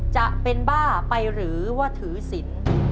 จะเป็นบ้าไปหรือว่าถือศิลป์